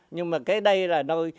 nhưng mà cái đây là nơi